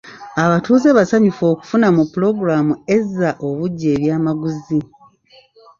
Abatuuze basanyufu okufuna mu pulogulaamu ezza obuggya ebyamaguzi